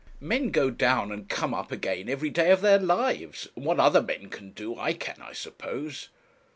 'Men go down and come up again every day of their lives, and what other men can do, I can, I suppose.'